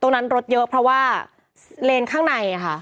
ตรงนั้นรถเยอะเพราะว่าเลนข้างในค่ะ